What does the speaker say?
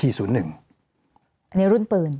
อันนี้รุ่นปืน